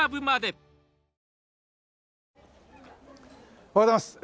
おはようございます。